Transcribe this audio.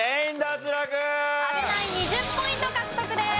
阿部ナイン２０ポイント獲得です！